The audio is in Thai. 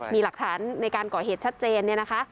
มีหลักฐานในการก่อเหตุชัดเจน